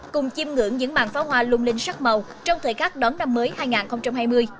cùng chim ngưỡng những màn pháo hoa lung linh sắc màu trong thời khắc đón năm mới hai nghìn hai mươi